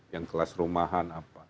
yang kelas rumahan apa